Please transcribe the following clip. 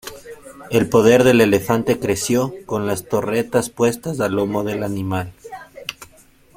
El poder del elefante creció con las torretas puestas a lomos del animal.